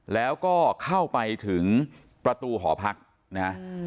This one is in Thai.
แล้วก็เข้าไปถึงประตูหอพักนะฮะ